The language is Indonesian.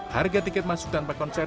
harga tiket masuk tanpa konser